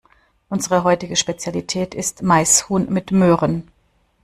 Unsere heutige Spezialität ist Maishuhn mit Möhren.